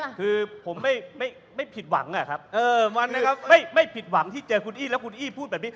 บ๊วยบ๊วยคือผมไม่ผิดหวังอะครับไม่ผิดหวังที่เจอคุณอีทแล้วคุณอีทพูดแบบนี้